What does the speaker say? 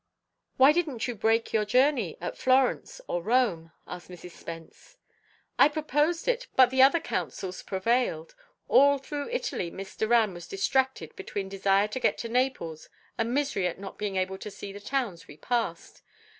"Why didn't you break the journey at Florence or Rome?" asked Mrs. Spence. "I proposed it, but other counsels prevailed. All through Italy Miss Doran was distracted between desire to get to Naples and misery at not being able to see the towns we passed.